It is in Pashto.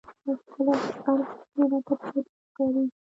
خپل ارزښتونه راته پردي ښکاري.